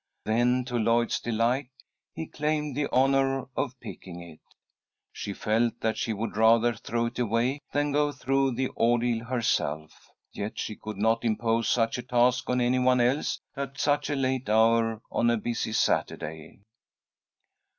Then to Lloyd's delight he claimed the honour of picking it. She felt that she would rather throw it away than go through the ordeal herself, yet she could not impose such a task on any one else at such a late hour on a busy Saturday.